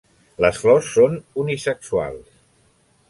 Les flors són unisexuals.